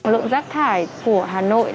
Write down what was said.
lượng rác thải của hà nội